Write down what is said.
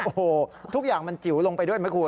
โอ้โหทุกอย่างมันจิ๋วลงไปด้วยไหมคุณ